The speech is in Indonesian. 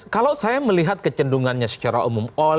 kalau saya melihat kecenderungannya secara umum